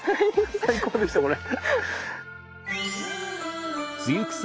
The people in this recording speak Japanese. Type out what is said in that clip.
最高でしたこれ。